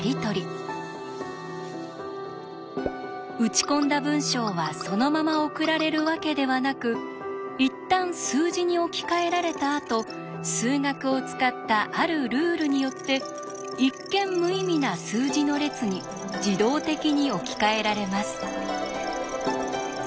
打ち込んだ文章はそのまま送られるわけではなくいったん数字に置き換えられたあと数学を使ったあるルールによって一見無意味な数字の列に自動的に置き換えられます。